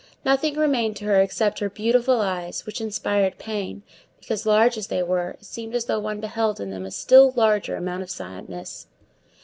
Nothing remained to her except her beautiful eyes, which inspired pain, because, large as they were, it seemed as though one beheld in them a still larger amount of sadness.